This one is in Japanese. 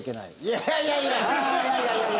いやいやいやいやいや！